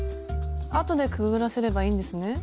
あとでくぐらせればいいんですね。